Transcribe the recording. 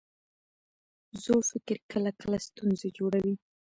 زوړ فکر کله کله ستونزې جوړوي.